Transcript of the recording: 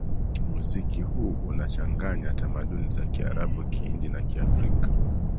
Muziki huu unachanganya tamaduni za Kiarabu Kihindi na Kiafrika